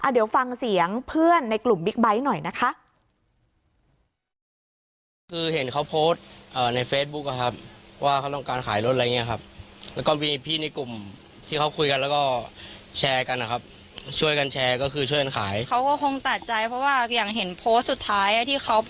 เดี๋ยวฟังเสียงเพื่อนในกลุ่มบิ๊กไบท์หน่อยนะคะ